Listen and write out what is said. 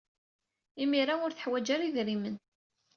Imir-a, ur teḥwaj ara idrimen.